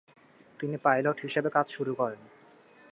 তিনি পাইলট হিসেবে কাজ শুরু করেন।